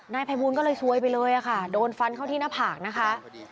นายภัยบูลก็เลยซวยไปเลยค่ะโดนฟันเข้าที่หน้าผากนะคะ